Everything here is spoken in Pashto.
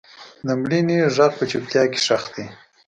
د مړینې غږ په چوپتیا کې ښخ دی.